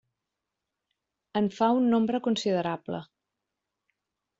En fa un nombre considerable.